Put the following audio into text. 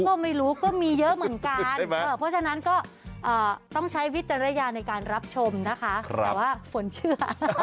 ก็ไม่รู้ก็มีเยอะเหมือนกันเพราะฉะนั้นก็ต้องใช้วิจารณญาณในการรับชมนะคะแต่ว่าฝนเชื่อ